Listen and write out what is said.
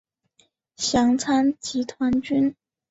详参集团军。